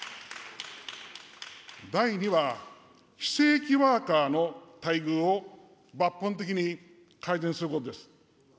第２は、非正規ワーカーの待遇を抜本的に改善することです。